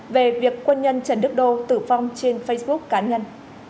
về việc quân nhân trần đức đô tử vong trên facebook cá nhân